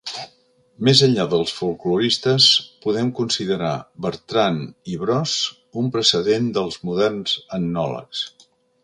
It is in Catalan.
Més enllà dels folkloristes, podem considerar a Bertran i Bros un precedent dels moderns etnòlegs.